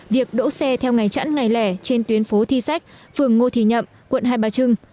việc đỗ xe theo ngày chẵn ngày lẻ trên tuyến phố thi sách phường ngô thị nhậm quận hai bà trưng